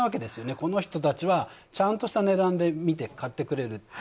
この人たちはちゃんとした値段で見て、買ってくれる。